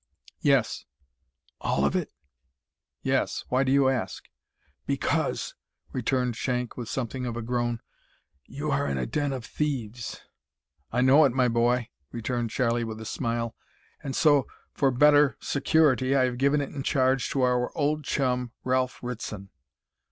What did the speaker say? "Yes." "All of it?" "Yes. Why do you ask?" "Because," returned Shank, with something of a groan, "you are in a den of thieves!" "I know it, my boy," returned Charlie, with a smile, "and so, for better security, I have given it in charge to our old chum, Ralph Ritson."